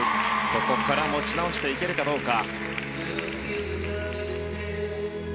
ここから持ち直していけるかどうか。